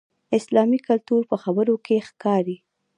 اسلامي کلتور په خبرو کې ښکاري.